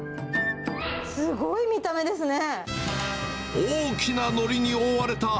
すごい見た目ですね！